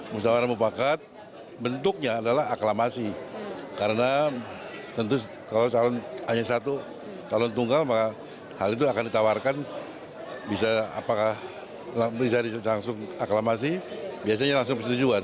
musawarah mufakat bentuknya adalah aklamasi karena tentu kalau salun hanya satu salun tunggal maka hal itu akan ditawarkan bisa langsung aklamasi biasanya langsung kesetujuan